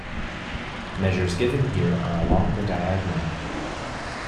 Measures given here are along the diagonal.